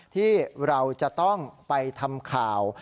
ที่เราจะต้องไปทำข่าว